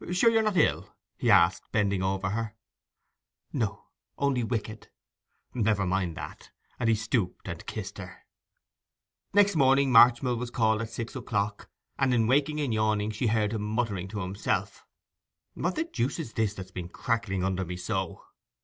'Sure you're not ill?' he asked, bending over her. 'No, only wicked!' 'Never mind that.' And he stooped and kissed her. Next morning Marchmill was called at six o'clock; and in waking and yawning she heard him muttering to himself: 'What the deuce is this that's been crackling under me so?